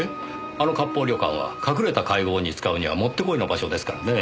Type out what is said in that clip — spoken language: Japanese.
あの割烹旅館は隠れた会合に使うにはもってこいの場所ですからねぇ。